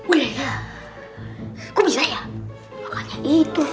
udah ya kok bisa ya makanya itu